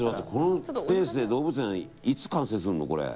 ちょっとこのペースで動物園いつ完成するのこれ。